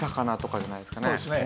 そうですね。